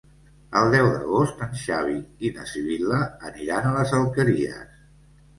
El deu d'agost en Xavi i na Sibil·la aniran a les Alqueries.